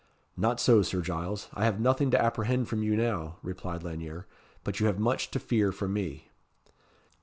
"Not so, Sir Giles. I have nothing to apprehend from you now," replied Lanyere; "but you have much to fear from me."